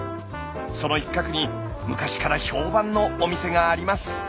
その一角に昔から評判のお店があります。